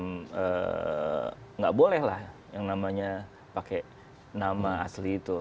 tidak bolehlah yang namanya pakai nama asli itu